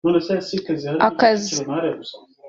akazi